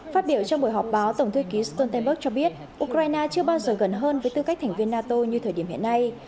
phát biểu trong buổi họp báo tổng thư ký stoltenberg cho biết ukraine chưa bao giờ gần hơn với tư cách thành viên nato như thời điểm hiện nay